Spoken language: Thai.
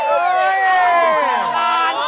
อื้อ